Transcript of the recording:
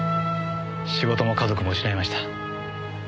仕事も家族も失いました。